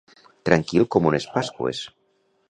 Tranquil com unes pasqües.